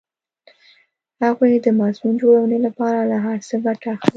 هغوی د مضمون جوړونې لپاره له هر څه ګټه اخلي